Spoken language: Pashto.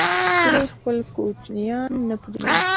هیلۍ خپل کوچنیان نه پرېږدي